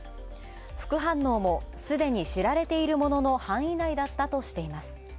副反応もすでに知られているものの範囲内だったとしています。